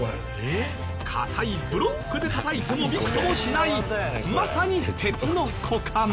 硬いブロックでたたいてもびくともしないまさに鉄の股間。